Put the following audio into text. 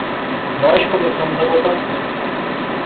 Nós começamos a votação.